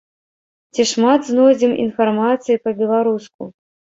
Ці шмат знойдзем інфармацыі па-беларуску?